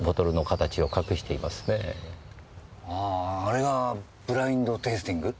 あああれがブラインド・テイスティング？